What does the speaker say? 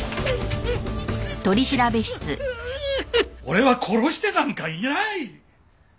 俺は殺してなんかいない！